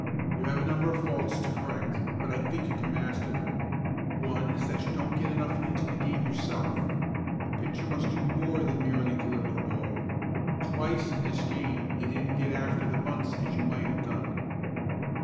You have a number of faults to correct, but I think you can master them. One is that you don't get enough into the game yourself. A pitcher must do more than merely deliver the ball. Twice in this game you didn't get after the bunts as you might have done."